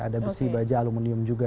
ada besi baja aluminium juga